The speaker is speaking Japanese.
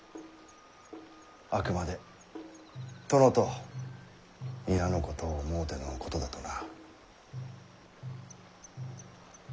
あくまで殿と皆のことを思うてのことだとな。